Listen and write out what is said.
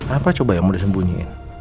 apa coba yang mau disembunyiin